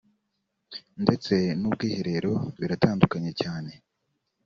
ndetse n’ubwiherero biratandukanye cyane